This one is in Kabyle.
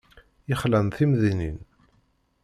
Yexlan timdinin.